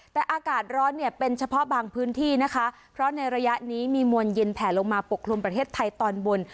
แต่อากาศร้อนเนี่ยเป็นเฉพาะบางพื้นที่นะคะเพราะในระยะนี้มีมวลเย็นแผลลงมาปกคลุมประเทศไทยตอนบน